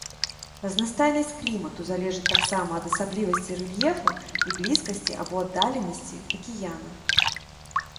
Разнастайнасць клімату залежыць таксама ад асаблівасцей рэльефу і блізкасці або аддаленасці акіяна.